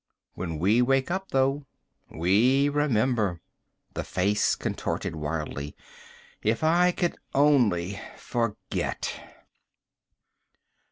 When we wake up, though, we remember." The face contorted wildly. "If I could only forget!"